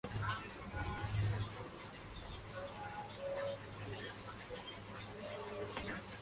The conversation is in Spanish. Se conoce como asentamientos ilegales ficticios a aquellos que no están habitados.